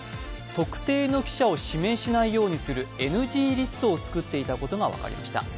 特定の記者を指名しないようにするＮＧリストを作っていたことが分かりました。